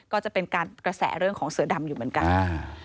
ก็จะเป็นการกระแสเรื่องของเสือดำอยู่เหมือนกัน